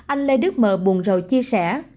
anh lê đức mờ buồn rầu chia sẻ